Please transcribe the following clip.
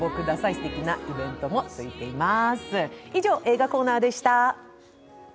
すてきなイベントもついています。